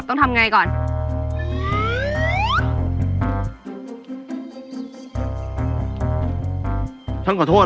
แบบนี้ก็ได้